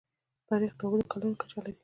تاریخ د اوږدو کلونو کچه لري.